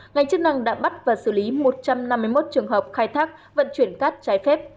ngành chức năng đã bắt và xử lý một trăm năm mươi một trường hợp khai thác vận chuyển cát trái phép